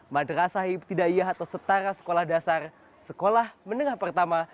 madrasah ibtidayah atau setara sekolah dasar sekolah menengah pertama